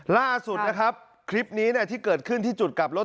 ล่าสุดนะครับคลิปนี้ที่เกิดขึ้นที่จุดกลับรถ